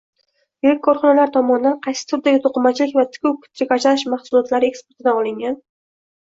Yirik korxonalar tomonidan qaysi turdagi to’qimachilik va tikuv-trikotaj mahsulotlari eksportidan olingan